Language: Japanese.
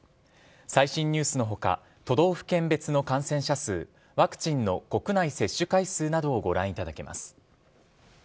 最新ニュースのほか、都道府県別の感染者数、ワクチンの国内接種回数などをご覧いただけます。